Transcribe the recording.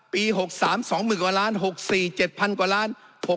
๖๓๒๐๐๐กว่าล้าน๖๔๗๐๐กว่าล้าน